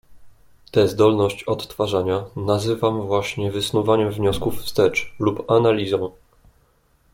"Te zdolność odtwarzania nazywam właśnie wysnuwaniem wniosków wstecz lub analizą."